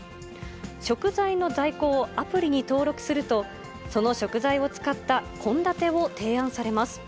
食材の在庫をアプリに登録すると、その食材を使った献立を提案されます。